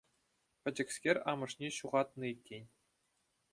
Пӗчӗкскер амӑшне ҫухатнӑ иккен.